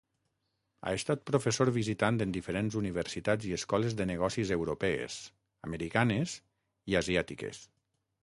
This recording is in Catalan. Ha estat professor visitant en diferents universitats i escoles de negocis europees, americanes i asiàtiques.